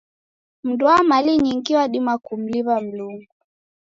Mundu wa mali nyingi wadima kumliw'a Mlungu.